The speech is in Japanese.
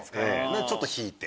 でちょっと引いて。